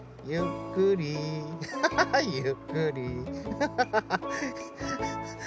ハハハハ。